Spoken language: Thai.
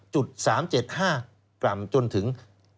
จนถึง